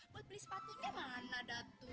buat beli sepatunya mana datu